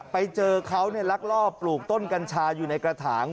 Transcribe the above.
ไปเจอเขาลักลอบปลูกต้นกัญชาอยู่ในกระถาง